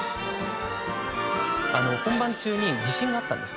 本番中に地震があったんです。